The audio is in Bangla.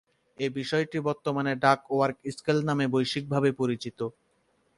এ বিষয়টি বর্তমানে 'ডাকওয়ার্থ স্কেল' নামে বৈশ্বিকভাবে পরিচিত।